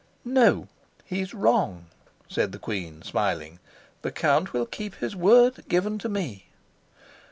"No, he's wrong," said the queen, smiling. "The count will keep his word, given to me."